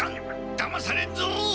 だまされんぞ！